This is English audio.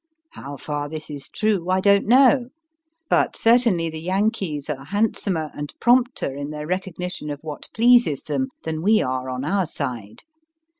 How far this is true I don t know ; but certainly the Yankees are handsomer and prompter in their recognition of what pleases them than we are on our side.